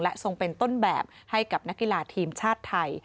ทรงเป็นต้นแบบให้กับนักกีฬาทีมชาติไทย